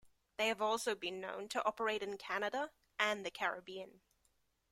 They also have been known to operate in Canada, and the Caribbean.